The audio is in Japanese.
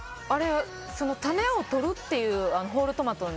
種を取るっていうホールトマト。